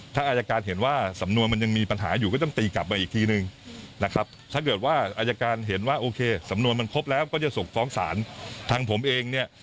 ถ้าอายการเห็นว่าสำนวนมันยังมีปัญหาอยู่ก็ต้องตีกลับมาอีกทีนึงนะครับถ้าเกิดว่าอายการเห็นว่าโอเคสำนวนมันครบแล้วก็จะส่งฟ้องศาลทางผมเองเนี่ย